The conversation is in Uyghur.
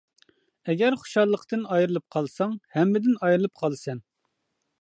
ئەگەر خۇشاللىقتىن ئايرىلىپ قالساڭ، ھەممىدىن ئايرىلىپ قالىسەن.